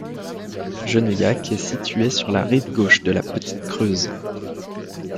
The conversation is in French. Genouillac est situé sur la rive gauche de la Petite Creuse.